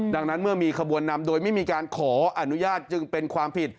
ดังนั้นเมื่อมีขบวนนำโดยไม่มีการขออนุญาตจึงเป็นความผิด